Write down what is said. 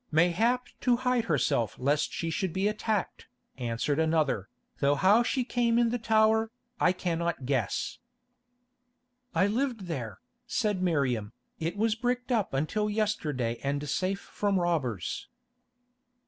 "Mayhap to hide herself lest she should be attacked," answered another, "though how she came in the tower, I cannot guess." "I lived there," said Miriam. "It was bricked up until yesterday and safe from robbers."